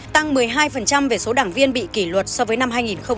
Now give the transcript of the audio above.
tăng một mươi hai về số đảng viên bị kỷ luật so với năm hai nghìn hai mươi hai